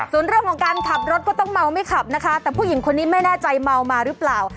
ส่วนเรื่องของการขับรถก็ต้องเมาไม่ขับนะคะแต่ผู้หญิงคนนี้ไม่แน่ใจเมามาหรือเปล่า